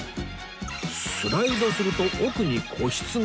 スライドすると奥に個室が